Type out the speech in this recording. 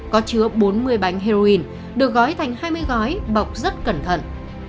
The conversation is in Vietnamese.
có chứa bốn mươi bánh heroin được gói thành hai mươi gói bọc rất cẩn thận